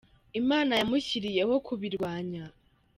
Imana yamushyiriyeho kubirwanya